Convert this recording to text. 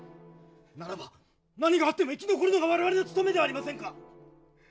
ならば何があっても生き残るのが我々の務めではありませんか！